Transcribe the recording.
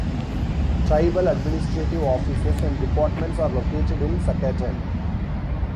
Tribal administrative offices and departments are located in Sacaton.